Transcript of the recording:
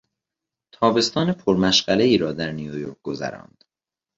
تابستان پرمشغلهای را در نیویورک گذراند.